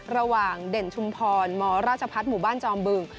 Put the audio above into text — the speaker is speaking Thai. เด่นชุมพรมราชพัฒน์หมู่บ้านจอมบึง